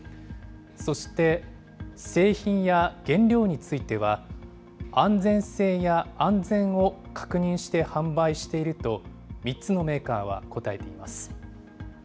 そして、製品や原料については、安全性や安全を確認して販売していると、３つのメーカーは答えています。